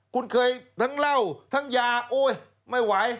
คุณเคยทั้งเหล้าทั้งยาโอ๊ยไม่ไหว